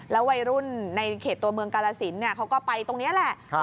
วัยรุ่นในเขตตัวเมืองกาลสินเขาก็ไปตรงนี้แหละ